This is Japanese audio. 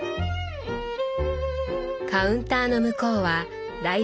カウンターの向こうは台所。